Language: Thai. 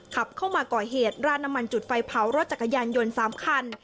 ขับเข้ามาก่อเหตุราดน้ำมันจุดไฟเผารถจักรยานยนต์๓คัน